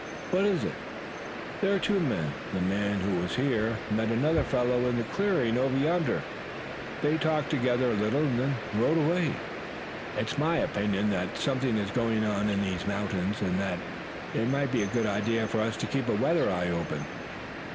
"What is it?" "There are two men. The man who was here met another fellow in the clearing over yonder. They talked together a little and then rode away. It's my opinion that something is going on in these mountains and that it might be a good idea for us to keep a weather eye open."